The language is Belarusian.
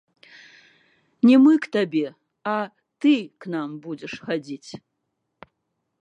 Не мы к табе, а ты к нам будзеш хадзіць.